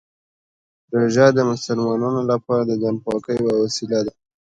روژه د مسلمانانو لپاره د ځان پاکۍ یوه وسیله ده.